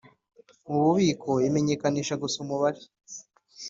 Mu bubiko imenyekanisha gusa umubare